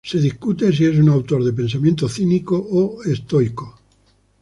Se discute si es un autor de pensamiento cínico o estoico.